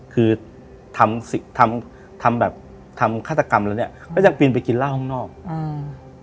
คือทำทำแบบทำฆาตกรรมแล้วเนี้ยก็ยังปีนไปกินเหล้าข้างนอกอืม